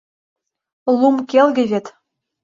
— Лум келге вет.